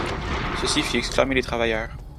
Ceci fit exclamer les travailleurs.